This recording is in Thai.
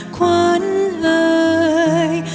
ควั้นเลย